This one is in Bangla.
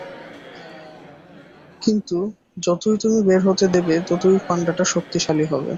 কিন্তু যতই তুমি বের হতে দেবে, ততই পান্ডাটা শক্তিশালী হবে।